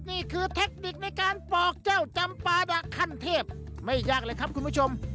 เทคนิคในการปอกเจ้าจำปาดะขั้นเทพไม่ยากเลยครับคุณผู้ชม